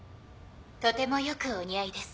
とてもよくお似合いです。